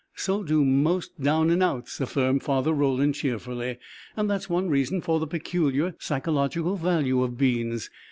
"So do most down and outs," affirmed Father Roland, cheerfully. "That's one reason for the peculiar psychological value of beans.